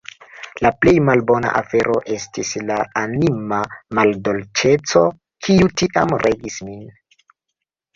La plej malbona afero estis la anima maldolĉeco, kiu tiam regis min.